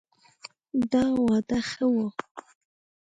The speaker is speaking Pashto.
دا واده ښه ؤ